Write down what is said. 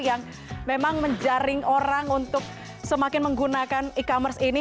yang memang menjaring orang untuk semakin menggunakan e commerce ini